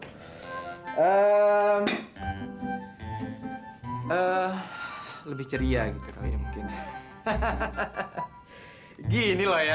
gua sebenarnya bukan tukang kaki saya